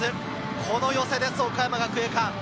この寄せです、岡山学芸館。